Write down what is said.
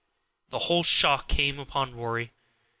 The whole shock came upon Rory.